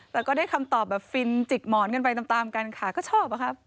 แต่ก็ได้คำตอบแบบฟินจิกหมอนกันไปตามกันค่ะก็ชอบอะครับ